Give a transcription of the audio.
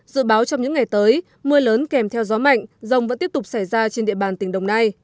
dự báo trong những ngày tới mưa lớn kèm theo gió mạnh rông vẫn tiếp tục xảy ra trên địa bàn tỉnh đồng nai